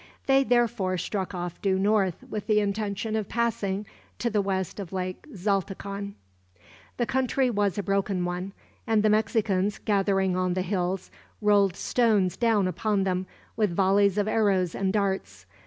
They therefore struck off due north, with the intention of passing to the west of Lake Xaltocan. The country was a broken one; and the Mexicans, gathering on the hills, rolled stones down upon them, with volleys of arrows and darts.